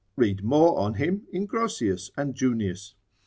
Read more on him, in Grossius and Junius.